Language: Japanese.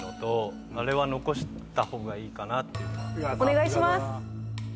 お願いします。